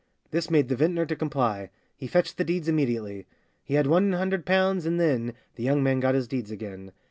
This made the vintner to comply,— He fetched the deeds immediately; He had one hundred pounds, and then The young man got his deeds again.